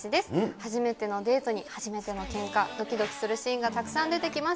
初めてのデートに、初めてのけんか、どきどきするシーンがたくさん出てきます。